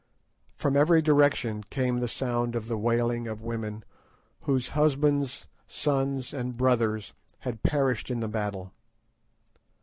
From every direction came the sound of the wailing of women whose husbands, sons, and brothers had perished in the battle.